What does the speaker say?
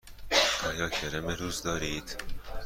آیا کرم روز دارید؟